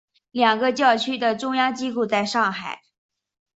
两个教区的中央机构在上海。